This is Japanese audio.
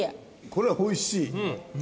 これは美味しい。